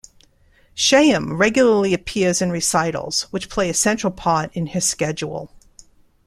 Shaham regularly appears in recitals, which play a central part in her schedule.